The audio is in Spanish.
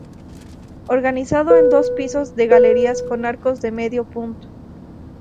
Organizado en dos pisos de galerías con arcos de medio punto.